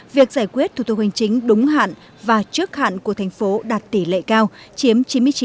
việc giải quyết thủ tục hành chính đúng hạn và trước hạn của thành phố đạt tỷ lệ cao chiếm chín mươi chín